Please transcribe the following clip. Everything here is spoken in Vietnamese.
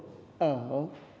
ở hà nội